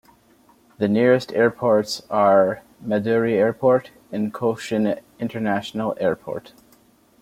The nearest airports are Madurai Airport and Cochin International Airport.